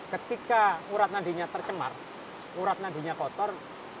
ketika urat nadinya tercemar urat nadinya kotor